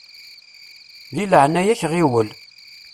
Di leɛya-k ɣiwel!